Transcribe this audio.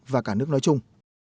và cả nước nói chung